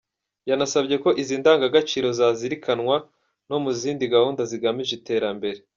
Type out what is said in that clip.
Yanasabye ko izo ndangagaciro zazirikanwa no mu zindi gahunda zigamije iterambere.